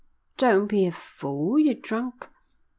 "Don't be a fool. You're drunk."